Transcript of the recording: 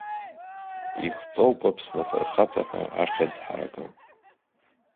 Ихҵоуп Аԥсны Афырхаҵа ҳәа ахьӡ ҳаракы.